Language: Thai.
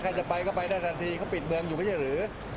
ไม่ใช่ใครก็ไปไปทันทีเค้าปิดเมืองอยู่ไม่ใช่หรือ